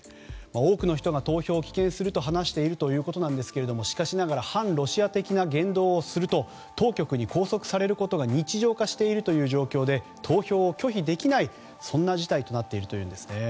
多くの人が投票を棄権すると話しているということですがしかしながら反ロシア的な言動をすると当局に拘束されることが日常化しているという状況で投票を拒否できない事態となっているんですね。